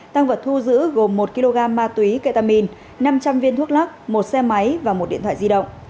tăng vật thu giữ gồm một kg ma túy ketamine năm trăm linh viên thuốc lắc một xe máy và một điện thoại di động